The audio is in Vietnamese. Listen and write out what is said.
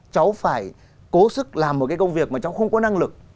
cháu phải cố sức làm một cái công việc mà cháu không có năng lực